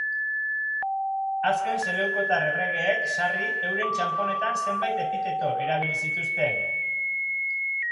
Azken seleukotar erregeek, sarri, euren txanponetan zenbait epiteto erabili zituzten.